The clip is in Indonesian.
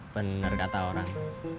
bener kata orang